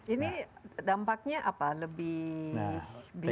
ini dampaknya apa lebih bisa